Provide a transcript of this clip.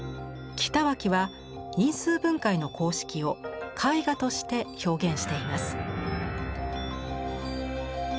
北脇は因数分解の公式を絵画として表現しています。